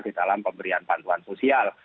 di dalam pemberian bantuan sosial